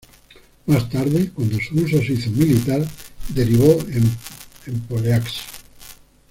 Más tarde, cuando su uso se hizo militar, derivó en pole-axe.